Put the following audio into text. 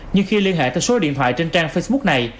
nhưng khi liên hệ theo số điện thoại trên trang facebook này